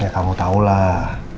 ya kamu tau lah